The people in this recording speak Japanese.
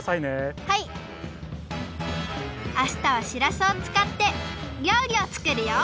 あしたはしらすをつかってりょうりをつくるよ。